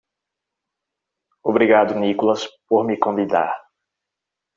Obrigado Nicholas por me convidar.